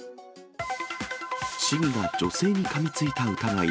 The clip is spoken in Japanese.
市議が女性にかみついた疑い。